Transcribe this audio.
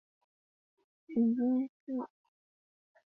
以荫叙出仕的直长等历任。